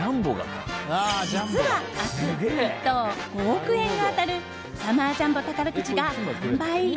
実は明日、１等５億円が当たるサマージャンボ宝くじが販売。